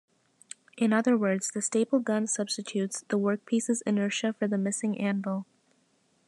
In other words, the staple gun substitutes the workpiece's inertia for the missing anvil.